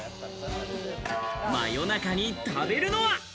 夜中に食べるのは？